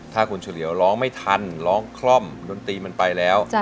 ถ้าคุณเฉลียวร้องไม่ทันร้องคล่อมดนตรีมันไปแล้ว